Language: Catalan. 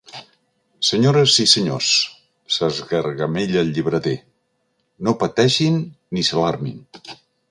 Senyores i senyors —s'esgargamella el llibreter—, no pateixin ni s'alarmin.